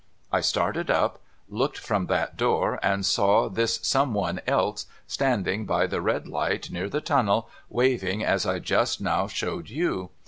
I started up, looked from that door, and saw this Some one else standing by the red light near the tunnel, waving as I just now showed you.